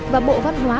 và bộ văn hóa